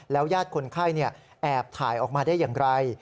แล้วยาดคนไข้เนี่ยแอบถ่ายออกมาได้อย่างไร